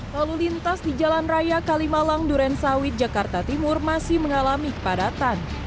lalu lintas di jalan raya kalimalang durensawit jakarta timur masih mengalami kepadatan